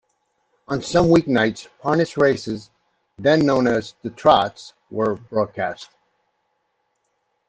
On some weeknights, harness races, then known as "the trots", were broadcast.